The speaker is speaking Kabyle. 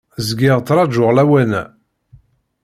Zgiɣ ttrajuɣ lawan-a.